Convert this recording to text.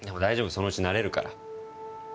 そのうち慣れるから。